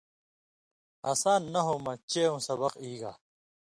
ہسان نحوۡ مہ ڇَیوں سبق ای گا